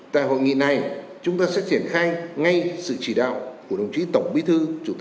tại hội nghị này chúng ta sẽ triển khai ngay sự chỉ đạo của đồng chí tổng bí thư